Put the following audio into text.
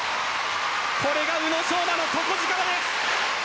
これが宇野昌磨の底力です。